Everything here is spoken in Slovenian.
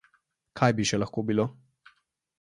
Kaj bi še lahko bilo?